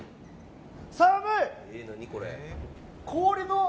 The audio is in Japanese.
寒い！